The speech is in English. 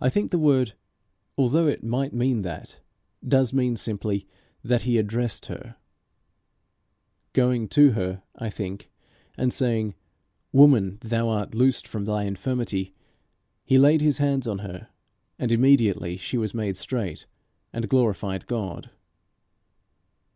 I think the word, although it might mean that, does mean simply that he addressed her. Going to her, I think, and saying, "Woman, thou art loosed from thy infirmity," "he laid his hands on her, and immediately she was made straight, and glorified God."